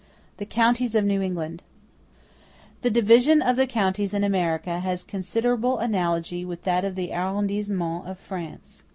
The Counties Of New England The division of the countries in America has considerable analogy with that of the arrondissements of France.